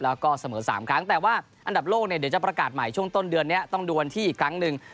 แล้วก็เสมอ๓ครั้งแต่ว่าอันดับโลกเนี่ยเดี๋ยวจะประกาศใหม่ช่วงต้นเดือนนี้ต้องดูวันที่อีกครั้งหนึ่ง